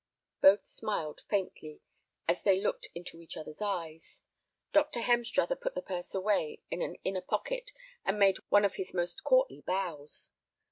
Both smiled faintly as they looked into each other's eyes. Dr. Hemstruther put the purse away in an inner pocket and made one of his most courtly bows.